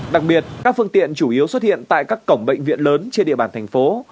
đặc biệt các phương tiện chủ yếu xuất hiện tại các cổng bệnh viện lớn trên địa bàn thành phố